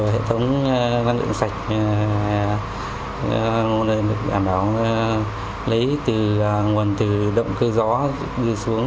hệ thống năng lượng sạch nguồn điện được đảm bảo lấy nguồn từ động cơ gió đi xuống